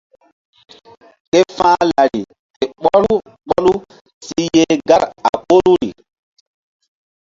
Ke fa̧h lari ke ɓɔlu ɓɔlu si yeh gar a ɓoruri.